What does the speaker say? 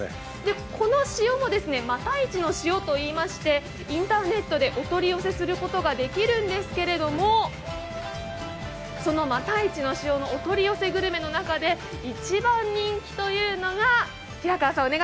この塩もまたいちの塩といいまして、インターネットでお取り寄せすることができるんですけどもそのまたいちの塩のお取り寄せグルメの中で一番人気というのが、平川さん